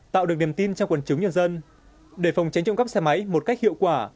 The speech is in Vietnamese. tạo được niềm tin trong quần chúng nhân dân để phòng tránh trộm cắp xe máy một cách hiệu quả